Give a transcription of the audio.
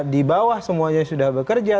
di bawah semuanya sudah bekerja